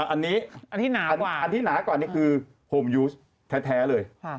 อันนี้อันที่หนากว่านี่คือโฮมยูสแท้เลย